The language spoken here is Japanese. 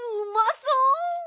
そう？